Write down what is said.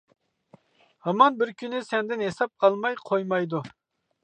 ھامان بىر كۈنى سەندىن ھېساب ئالماي قويمايدۇ.